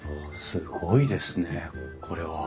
すごいですねこれは。